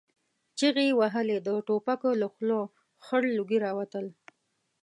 چيغې يې وهلې، د ټوپکو له خولو خړ لوګي را وتل.